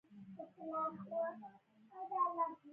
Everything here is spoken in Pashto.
د پښتو د ژغورلو لپاره باید ټول متحد شو.